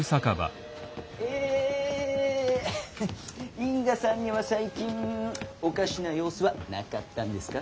因果さんには最近おかしな様子はなかったんですか？